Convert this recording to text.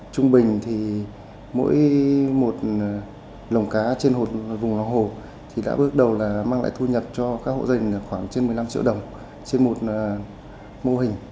trung bình thì mỗi một lồng cá trên một vùng lòng hồ thì đã bước đầu là mang lại thu nhập cho các hộ dân khoảng trên một mươi năm triệu đồng trên một mô hình